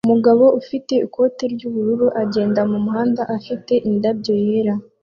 Umugabo ufite ikote ry'ubururu agenda mumuhanda afite indabyo yera